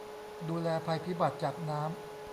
ดูแลภัยพิบัติจากน้ำ